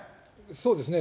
そうですね。